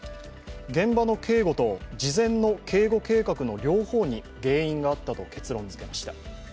現場の警護と事前の警護計画の両方に原因があったと結論づけました。